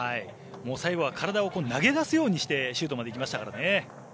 最後は体を投げ出すようにしてシュートまで行きましたからね。